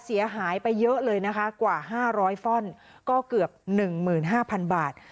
เสียหายไปเยอะเลยนะคะกว่าห้าร้อยฟ่อนก็เกือบหนึ่งหมื่นห้าพันบาท